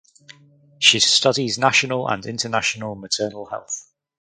She studies national and international maternal health.